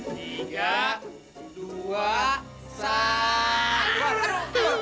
tiga dua satu